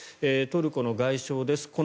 トルコの外相です。